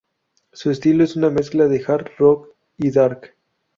Su estilo es una mezcla de hard rock y dark.